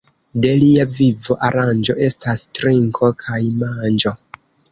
De lia vivo aranĝo estas trinko kaj manĝo.